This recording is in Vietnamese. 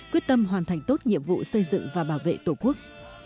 quyết tâm hoàn thành tốt nhiệm vụ xây dựng và bảo vệ tổ quốc